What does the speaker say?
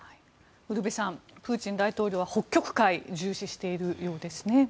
ウルヴェさんプーチン大統領は北極海を重視しているようですね。